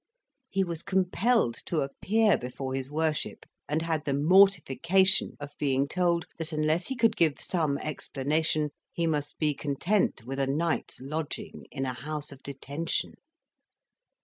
He was compelled to appear before his worship, and had the mortification of being told that unless he could give some explanation, he must be content with a night's lodging in a house of detention.